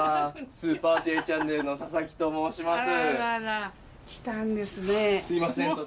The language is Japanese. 「スーパーＪチャンネル」の佐々木と申します。